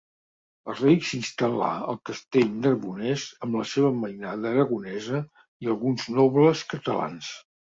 El rei s'instal·là al Castell Narbonès amb la seva mainada aragonesa i alguns nobles catalans.